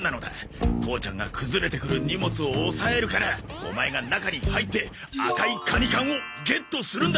父ちゃんが崩れてくる荷物を押さえるからオマエが中に入って赤いカニ缶をゲットするんだ！